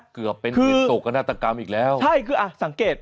เกือบเป็นเหตุโศกนาฏกรรมอีกแล้วใช่คืออ่ะสังเกต